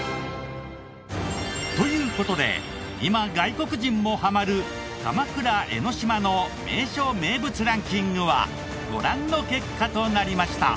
という事で今外国人もハマる鎌倉・江の島の名所・名物ランキングはご覧の結果となりました。